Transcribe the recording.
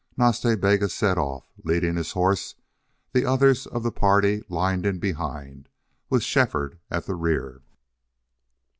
Nas Ta Bega set off, leading this horse; the others of the party lined in behind, with Shefford at the rear.